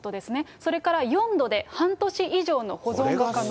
それから４度で半年以上の保存が可能。